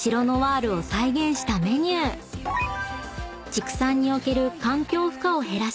［畜産における環境負荷を減らし